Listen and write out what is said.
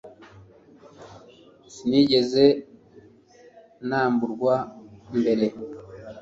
Sinigeze namburwa mbere